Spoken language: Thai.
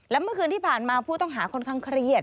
และเมื่อคืนที่ผ่านมาผู้ต้องหาค่อนข้างเครียด